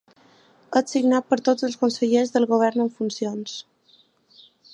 És signat per tots els consellers del govern en funcions.